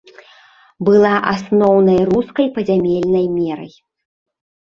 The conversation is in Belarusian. Была асноўнай рускай пазямельнай мерай.